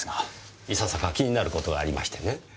いささか気になる事がありましてね。